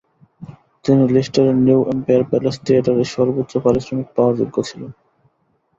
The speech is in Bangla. তিনি লিস্টারের নিউ এম্পায়ার প্যালেস থিয়েটারের সর্বোচ্চ পারিশ্রমিক পাওয়ার যোগ্য ছিলেন।